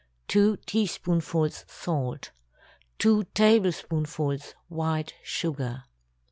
2 teaspoonfuls salt. 2 tablespoonfuls white sugar.